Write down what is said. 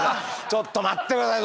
ちょっと待って下さい。